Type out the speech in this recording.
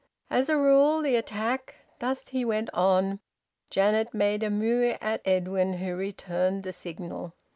`As a rule the attack '" Thus he went on. Janet made a moue at Edwin, who returned the signal.